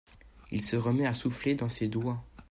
Il se remet à souffler dans ses doigts.